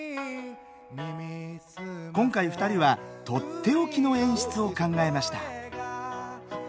今回、２人はとっておきの演出を考えました。